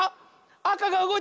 あかがうごいた！